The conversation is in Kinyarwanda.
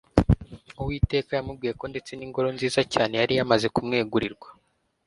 uwiteka yamubwiye ko ndetse n'ingoro nziza cyane yari yamaze kumwegurirwa